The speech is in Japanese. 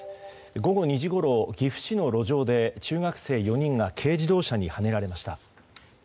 午後２時ごろ、岐阜市の路上で中学生４人が軽自動車にはねられました。